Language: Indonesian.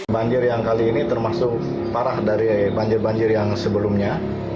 banjir yang kali ini termasuk parah dari banjir banjir yang sebelumnya